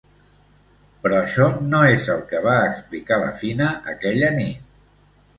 Però això no és el que va explicar la Fina aquella nit.